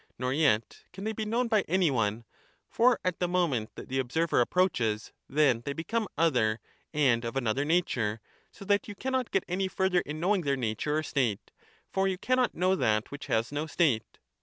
Nor yet can they be known by any one ; for at the 44° moment that the observer approaches, then they become other and of another nature, so that you cannot get any further in knowing their nature or state, for you cannot know that which has no state.